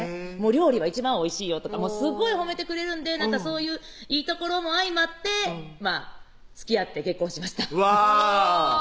「料理は一番おいしいよ」とかすごい褒めてくれるんでそういういいところも相まってつきあって結婚しましたうわ